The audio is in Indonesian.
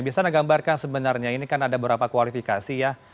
bisa anda gambarkan sebenarnya ini kan ada beberapa kualifikasi ya